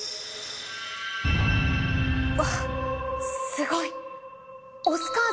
あっすごい。